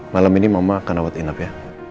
malam ini mama akan rawat inap ya